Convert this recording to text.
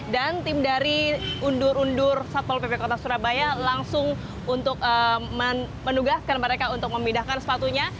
dan tim dari undur undur satpol pp kota surabaya langsung untuk menugaskan mereka untuk memindahkan sepatunya